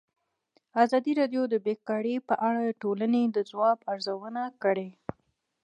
ازادي راډیو د بیکاري په اړه د ټولنې د ځواب ارزونه کړې.